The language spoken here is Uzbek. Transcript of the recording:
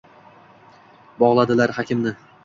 Bog’ladilar hakimni.